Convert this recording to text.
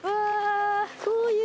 こういう事。